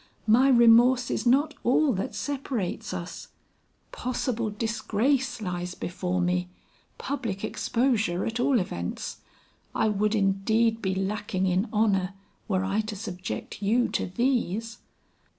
My remorse is not all that separates us; possible disgrace lies before me; public exposure at all events; I would indeed be lacking in honor were I to subject you to these."